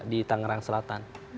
di tangerang selatan